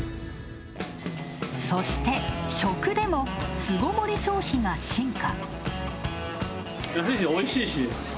そして、食でも巣ごもり消費が進化。